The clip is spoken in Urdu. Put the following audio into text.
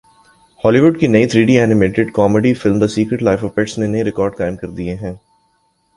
ہالی وڈ کی نئی three D animated comedy film The Secret Life of Pets نے نئے ریکارڈز قائم کر دیے ہیں